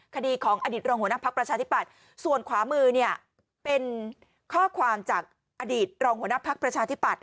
คดีของอดีตรองหัวหน้าภักดิ์ประชาธิปัตย์ส่วนขวามือเนี่ยเป็นข้อความจากอดีตรองหัวหน้าพักประชาธิปัตย